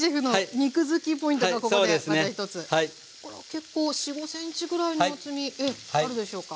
結構４５ｃｍぐらいの厚みあるでしょうか。